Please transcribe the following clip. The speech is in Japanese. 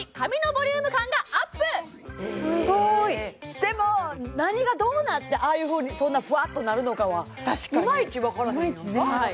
でも何がどうなってああいうふうにそんなフワッとなるのかは確かにいまいち分からへんやんか